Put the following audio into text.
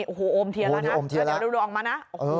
โอ้โหอมเทียนละนะเราเดี๋ยวดูออกมานะ